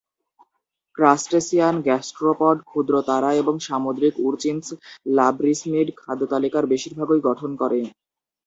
Crustacean, gastropod, ক্ষুদ্র তারা এবং সামুদ্রিক উরচিন্স লাব্রিসমিড খাদ্যতালিকার বেশির ভাগই গঠন করে।